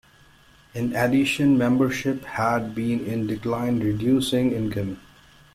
In addition, membership had been in decline, reducing income.